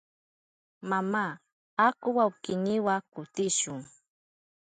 Mama, aku wawkiyniwa kutishun.